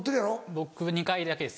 僕２回だけです。